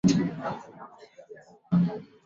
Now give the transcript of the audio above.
在场上的位置是边锋。